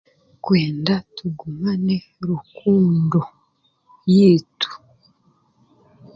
Kwenda tugumane rukundo yaitu.